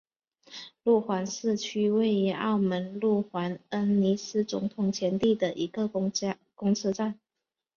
路环市区位于澳门路环恩尼斯总统前地的一个公车站。